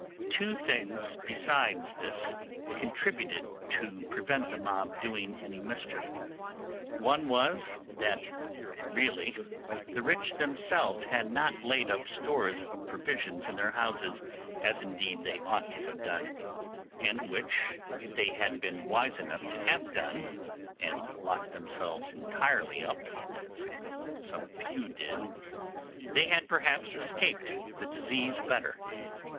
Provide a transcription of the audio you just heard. Two things besides this contributed to prevent the mob doing any mischief. One was, that really the rich themselves had not laid up stores of provisions in their houses as indeed they ought to have done, and which if they had been wise enough to have done, and locked themselves entirely up, as some few did, they had perhaps escaped the disease better.